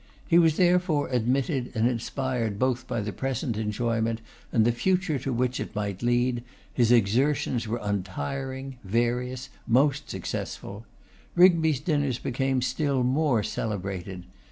He was therefore admitted, and inspired both by the present enjoyment, and the future to which it might lead, his exertions were untiring, various, most successful. Rigby's dinners became still, more celebrated.